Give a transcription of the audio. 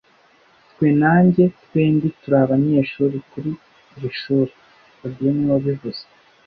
Twe na njye twembi turi abanyeshuri kuri iri shuri fabien niwe wabivuze